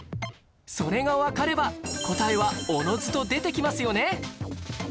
それがわかれば答えはおのずと出てきますよね